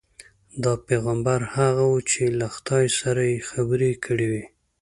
دا پیغمبر هغه وو چې له خدای سره یې خبرې کړې وې.